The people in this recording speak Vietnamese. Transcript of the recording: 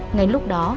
ngay lúc đó